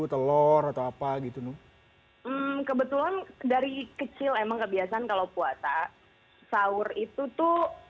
telur atau apa gitu kebetulan dari kecil emang kebiasaan kalau puasa sahur itu tuh